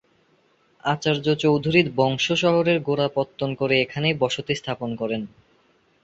আচার্য চৌধুরী বংশ শহরের গোড়াপত্তন করে এখানেই বসতি স্থাপন করেন।